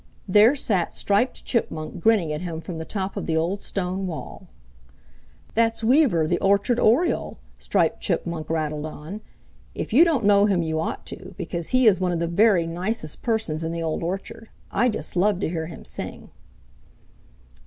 There sat Striped Chipmunk grinning at him from the top of the old stone wall. "That's Weaver the Orchard Oriole," Striped Chipmunk rattled on. "If you don't know him you ought to, because he is one of the very nicest persons in the Old Orchard. I just love to hear him sing."